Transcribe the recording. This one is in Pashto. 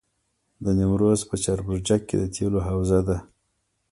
د نیمروز په چاربرجک کې د تیلو حوزه ده.